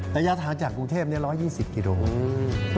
ระยะทางจากกรุงเทพ๑๒๐กิโลเมตร